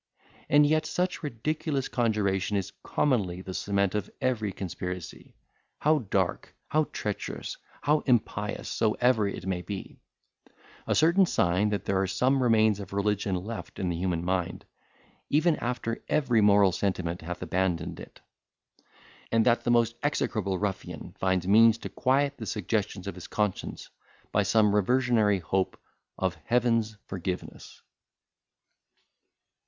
and yet such ridiculous conjuration is commonly the cement of every conspiracy, how dark, how treacherous, how impious soever it may be: a certain sign that there are some remains of religion left in the human mind, even after every moral sentiment hath abandoned it; and that the most execrable ruffian finds means to quiet the suggestions of his conscience, by some reversionary hope of Heaven's forgiveness.